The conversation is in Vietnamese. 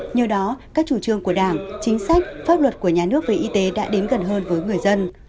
nhờ đó các chủ trương của đảng chính sách pháp luật của nhà nước về y tế đã đến gần hơn với người dân